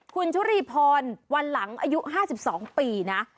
คุณชุรีพรวันหลังอายุ๕๒ปีนะ